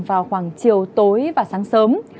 vào khoảng chiều tối và sáng sớm